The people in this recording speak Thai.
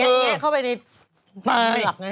หมวดไปทั้งหลายพันทุกอย่าง